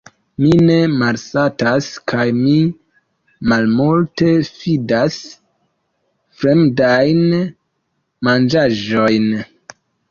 Mi ne malsatas, kaj mi malmulte fidas fremdajn manĝaĵojn.